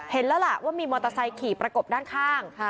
เห็นแล้วล่ะว่ามีมอเตอร์ไซค์ขี่ประกบด้านข้าง